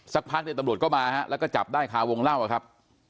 สักพักเนี่ยตำรวจก็มาฮะแล้วก็จับได้คาวงเล่าครับ